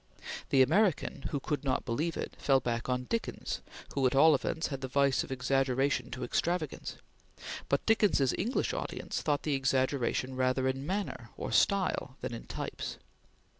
The American, who could not believe it, fell back on Dickens, who, at all events, had the vice of exaggeration to extravagance, but Dickens's English audience thought the exaggeration rather in manner or style, than in types.